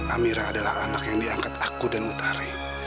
amirah adalah anak yang diangkat aku dan utari